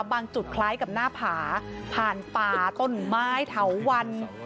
จุดคล้ายกับหน้าผาผ่านป่าต้นไม้เถาวัน